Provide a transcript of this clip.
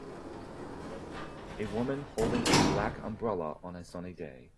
A woman holding a black umbrella on a sunny day.